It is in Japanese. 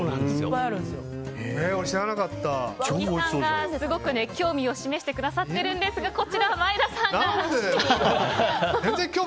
すごく興味を示してくださってるんですがこちらは前田さんが。